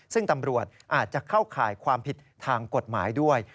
ซึ่งตำรวจอาจจะเข้าข่ายความผิดทางกฎหมายด้วย